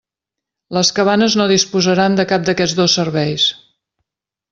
Les cabanes no disposaran de cap d'aquests dos serveis.